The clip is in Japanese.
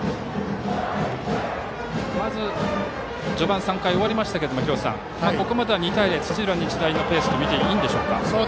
まず、序盤の３回が終わって廣瀬さん、ここまでは２対０と土浦日大のペースと見ていいんでしょうか。